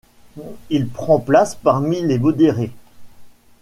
Il prend place parmi les modérés.